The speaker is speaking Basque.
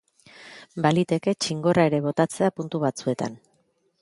Baliteke txingorra ere botatzea puntu batzuetan.